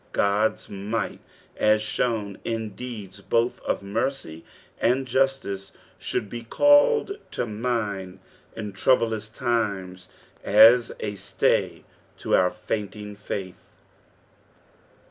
Ood's might, as shown in deeds both of mercy and justice, should be called to mind in troublous times as a stay to our fainting faith.